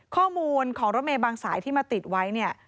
ข้อมูลของรถเมย์บางสายที่มาติดไว้เนี่ย